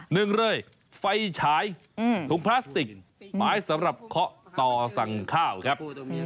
หนึ่งเลยไฟฉายถุงพลาสติกไม้สำหรับเคาะต่อสั่งข้าวครับ